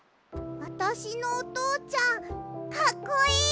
あたしのおとうちゃんかっこいい？